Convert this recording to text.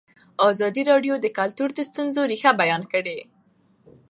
ازادي راډیو د کلتور د ستونزو رېښه بیان کړې.